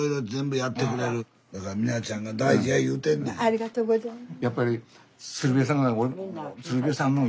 ありがとうございます。